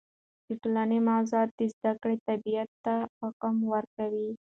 د ټولنې موضوعات د زده کړې طبیعت ته عمق ورکوي.